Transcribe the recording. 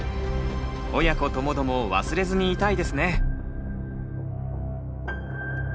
親子ともども忘れずにいたいですね。